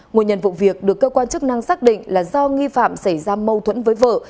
nguồn nhân vụ việc được cơ quan chức năng xác định là do nghi phạm xảy ra mâu thuẫn với vợ